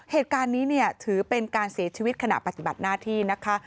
เหตุการณ์นี้เนี่ยถือเป็นการเสียชีวิตขณะปฏิบัติหน้าที่นะคะ